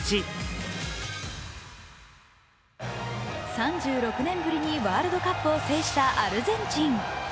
３６年ぶりにワールドカップを制したアルゼンチン。